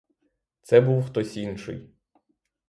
Це був хтось інший.